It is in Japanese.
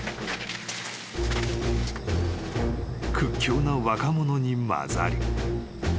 ［屈強な若者に交ざり］